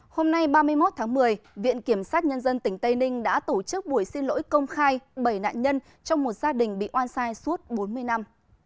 hôm nay ba mươi một tháng một mươi viện kiểm sát nhân dân tỉnh tây ninh đã tổ chức buổi xin lỗi công khai bảy nạn nhân trong một gia đình bị oan sai suốt bốn mươi năm